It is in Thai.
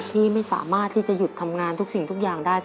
ที่ไม่สามารถที่จะหยุดทำงานทุกสิ่งทุกอย่างได้